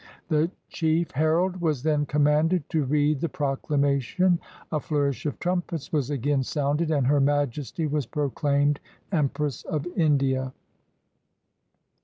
The chief herald was then commanded to read the proc lamation. A flourish of trumpets was again sounded, and Her Majesty was proclaimed Empress of India.